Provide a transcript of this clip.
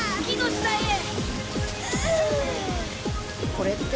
これって。